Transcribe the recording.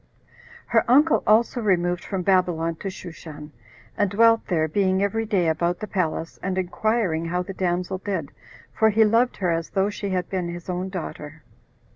Her uncle also removed from Babylon to Shushan, and dwelt there, being every day about the palace, and inquiring how the damsel did, for he loved her as though she had been his own daughter.